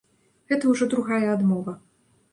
Гэта ўжо другая адмова.